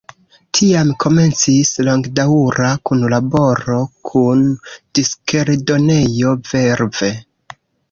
Tiam komencis longdaŭra kunlaboro kun diskeldonejo Verve.